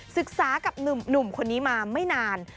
ศึกษากับหนุ่มคนนี้มาไม่นาน